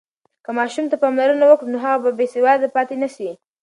که ماشوم ته پاملرنه وکړو، نو هغه به بېسواده پاتې نه سي.